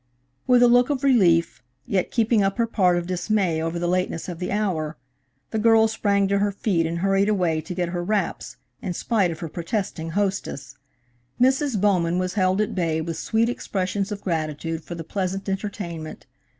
With a look of relief, yet keeping up her part of dismay over the lateness of the hour, the girl sprang to her feet, and hurried away to get her wraps, in spite of her protesting hostess. Mrs. Bowman was held at bay with sweet expressions of gratitude for the pleasant entertainment.